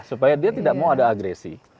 supaya dia tidak mau ada agresi